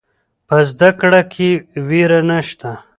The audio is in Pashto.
په زده کړه کې ویره نشته.